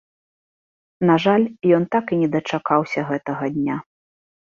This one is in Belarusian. На жаль, ён так і не дачакаўся гэтага дня.